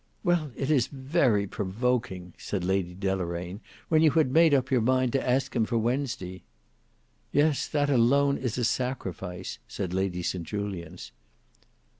"Well it is very provoking," said Lady Deloraine, "when you had made up your mind to ask them for Wednesday." "Yes, that alone is a sacrifice," said Lady St Julians.